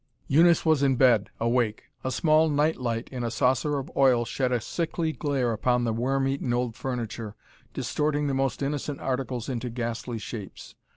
Eunice was in bed, awake. A small nightlight in a saucer of oil shed a sickly glare upon the worm eaten old furniture, distorting the most innocent articles into ghastly shapes.